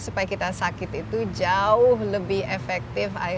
makanan yang kita sakit itu jauh lebih efektif